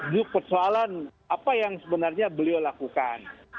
yuk persoalan apa yang sebenarnya beliau lakukan